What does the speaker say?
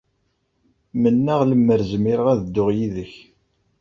Mennaɣ lemmer zmireɣ ad dduɣ yid-k.